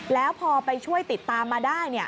แล้วพอไปช่วยติดตามมาได้